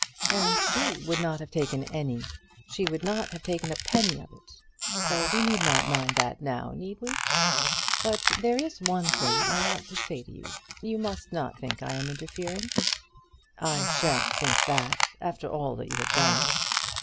"And she would not have taken any. She would not have taken a penny of it, though we need not mind that now; need we? But there is one thing I want to say; you must not think I am interfering." "I shan't think that after all that you have done."